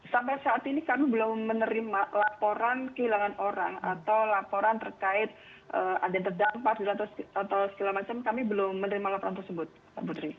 sampai saat ini kami belum menerima laporan kehilangan orang atau laporan terkait ada yang terdampak atau segala macam kami belum menerima laporan tersebut pak putri